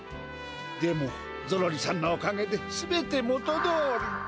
でもゾロリさんのおかげで全て元どおり。